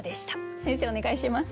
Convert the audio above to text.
先生お願いします。